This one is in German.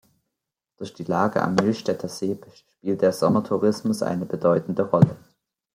Durch die Lage am Millstätter See spielt der Sommertourismus eine bedeutende Rolle.